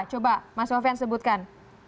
coba mas sofian sebutkan